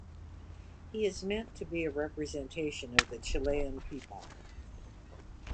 He is meant to be a representation of the Chilean people.